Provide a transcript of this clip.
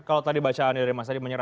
kalau tadi bacaan dari mas adi menyerah